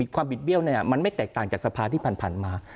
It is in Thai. บิดเบี้ยวมันไม่แตกต่างจากสภาที่ผ่านมา